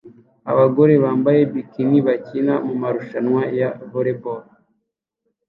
Abagore bambaye bikini bakina mumarushanwa ya volley ball